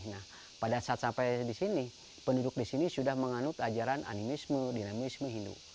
nah pada saat sampai disini penduduk disini sudah menganut ajaran animisme dinamisme hindu